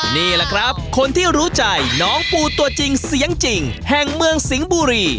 นี่แหละครับคนที่รู้ใจน้องปูตัวจริงเสียงจริงแห่งเมืองสิงห์บุรี